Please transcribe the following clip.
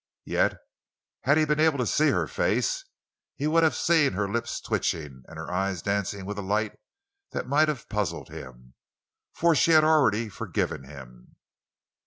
Yet had he been able to see her face, he would have seen her lips twitching and her eyes dancing with a light that might have puzzled him. For she had already forgiven him.